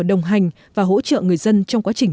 đồng hành và hỗ trợ người dân trong quá trình